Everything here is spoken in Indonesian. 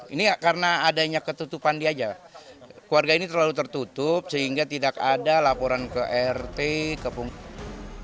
ini karena adanya ketutupan dia aja keluarga ini terlalu tertutup sehingga tidak ada laporan ke rt ke punggung